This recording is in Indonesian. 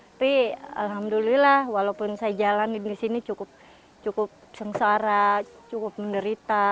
tapi alhamdulillah walaupun saya jalanin di sini cukup sengsara cukup menderita